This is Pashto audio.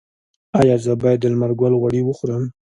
ایا زه باید د لمر ګل غوړي وخورم؟